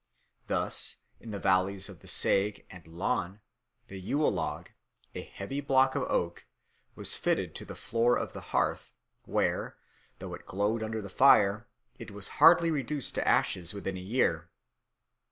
Thus in the valleys of the Sieg and Lahn the Yule log, a heavy block of oak, was fitted into the floor of the hearth, where, though it glowed under the fire, it was hardly reduced to ashes within a year.